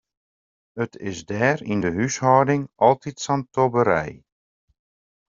It is dêr yn dy húshâlding altyd sa'n tobberij.